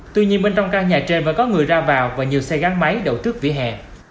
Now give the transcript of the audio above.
tuy nhiên bên trong căn nhà trên vẫn có người ra vào và nhiều xe gắn máy đậu trước vỉa hè